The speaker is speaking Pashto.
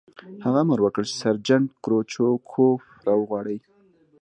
هغه امر وکړ چې سرجنټ کروچکوف را وغواړئ